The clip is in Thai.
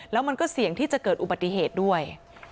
แล้วมันก็เสี่ยงที่จะเกิดอุบัติเหตุด้วย